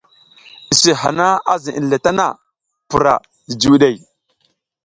Use hana a ziʼinle tana, pura jijiwiɗey.